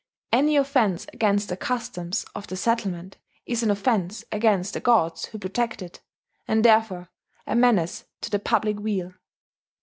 Any offence against the customs of the settlement is an offence against the gods who protect it, and therefore a menace to the public weal.